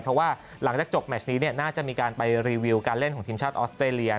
เพราะว่าหลังจากจบแมชนี้น่าจะมีการไปรีวิวการเล่นของทีมชาติออสเตรเลีย